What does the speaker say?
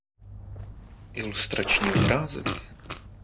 Ilustrační obrázek?